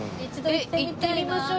えっ行ってみましょう。